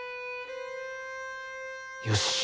よし。